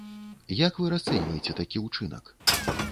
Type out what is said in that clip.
Як вы расцэньваеце такі ўчынак?